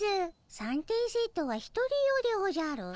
三点セットは１人用でおじゃる。